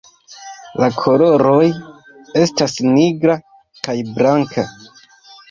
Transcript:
La koloroj estas nigra kaj blanka.